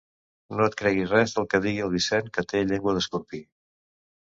No et creguis res del que digui el Vicent, que té llengua d'escorpí.